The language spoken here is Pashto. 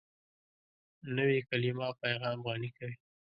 نوې کلیمه پیغام غني کوي